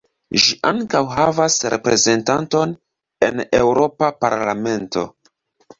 Ĝi ankaŭ havas reprezentanton en Eŭropa Parlamento.